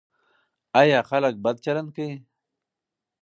ایا خلک بد چلند کوي؟